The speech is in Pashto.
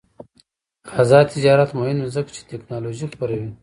آزاد تجارت مهم دی ځکه چې تکنالوژي خپروي.